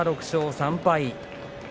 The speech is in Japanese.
６勝３敗。